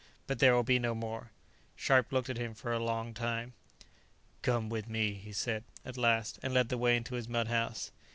But there will be no more." Scharpe looked at him for a long time. "Come with me," he said at last, and led the way into his mud house.